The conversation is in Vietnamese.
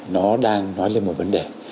nó đang nói lên một vấn đề